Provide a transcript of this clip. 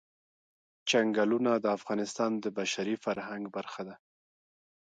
چنګلونه د افغانستان د بشري فرهنګ برخه ده.